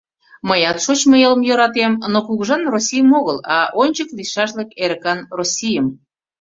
Мыят шочмо элым йӧратем, но кугыжан Российым огыл, а ончык лийшашлык эрыкан Российым!